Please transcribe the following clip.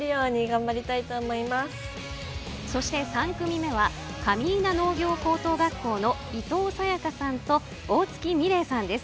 そして３組目は上伊那農業高等学校の伊藤颯香さんと大槻海伶さんです。